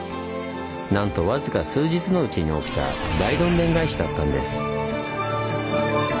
なんと僅か数日のうちに起きた大どんでん返しだったんです。